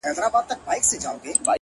چي ته راځې تر هغو خاندمه; خدایان خندوم;